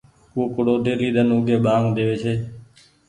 ڪوُڪڙو ڍيلي ۮن اوڳي ٻآنگ ۮيوي ڇي۔